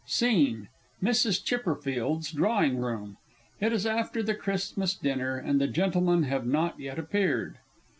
SCENE MRS. CHIPPERFIELD'S Drawing room. _It is after the Christmas dinner, and the Gentlemen have not yet appeared.